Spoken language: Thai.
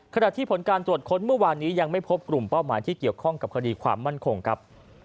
ขณะที่ผลการตรวจค้นเมื่อวานนี้ยังไม่พบกลุ่มเป้าหมายที่เกี่ยวข้องกับคดีความมั่นคงครับ